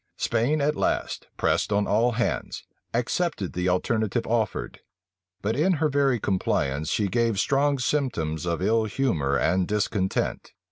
Spain at last, pressed on all hands, accepted of the alternative offered; but in her very compliance, she gave strong symptoms of ill humor and discontent.